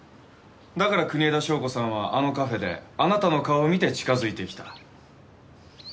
だから国枝祥子さんはあのカフェであなたの顔を見て近づいてきた。